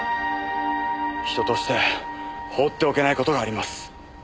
人として放っておけない事があります。